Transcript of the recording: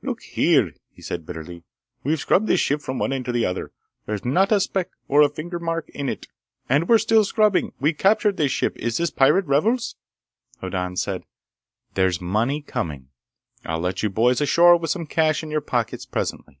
"Look here!" he said bitterly, "we've scrubbed this ship from one end to the other! There's not a speck or a fingermark on it. And we're still scrubbing! We captured this ship! Is this pirate revels?" Hoddan said: "There's money coming. I'll let you boys ashore with some cash in your pockets presently."